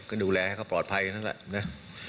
ก็ดูแลให้เขาปลอดภัยนั่นแหละนะ